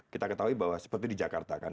kita ketahui bahwa seperti di jakarta kan